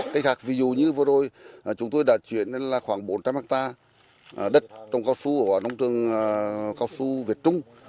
cây cao su ví dụ như vừa rồi chúng tôi đã chuyển khoảng bốn trăm linh hectare đất trồng cao su ở nông trường cao su việt trung